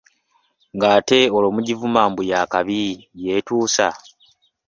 Ng’ate olwo mugivuma mbu yakabi yeetuusa.